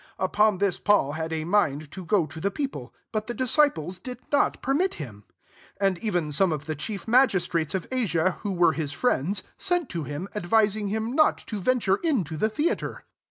30 Upon this Paul had a mind to go to the people, but the disciples did not permit him. 31 And even some of the chief magistrates of Asia, who were his friends, sent to him, advising him not to veo*! ture into the theatre.